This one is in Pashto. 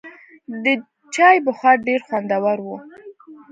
د چای بخار ډېر خوندور و.